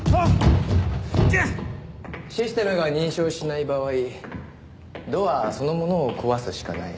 システムが認証しない場合ドアそのものを壊すしかない。